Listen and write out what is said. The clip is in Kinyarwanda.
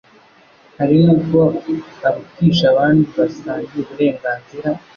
hari nubwo arutisha abandi basangiye uburengazira.